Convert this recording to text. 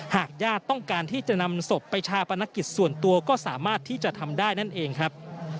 หากญาติต้องการที่จะนำศพไปชาปนกิจส่วนตัวก็สามารถที่จะทำได้นั่นเองครับ